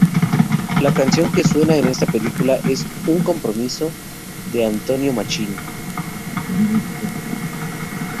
La canción que suena en esta película es "Un compromiso", de Antonio Machín.